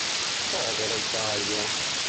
Povera Italia!